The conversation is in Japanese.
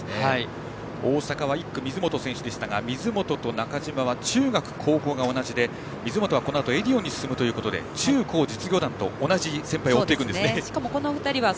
大阪は１区水本選手でしたが水本と中島は中学・高校が同じで水本はこのあとエディオンに進むということで中高実業団と同じ先輩を追っていくんですね。